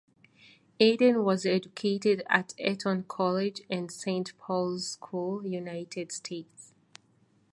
Eden was educated at Eton College and Saint Paul's School, United States.